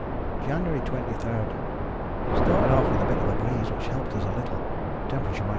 ] "January 23. Started off with a bit of a breeze which helped us a little [temperature 28°].